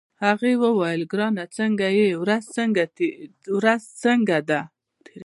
هغې وویل: ګرانه څنګه يې، ورځ څنګه ده؟